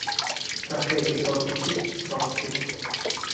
Tappeti soffici, rossi.